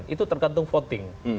itu tergantung voting